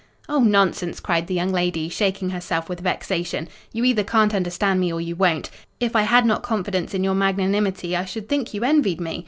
"Oh, nonsense!" cried the young lady, shaking herself with vexation. "You either can't understand me, or you won't. If I had not confidence in your magnanimity, I should think you envied me.